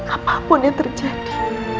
apapun yang terjadi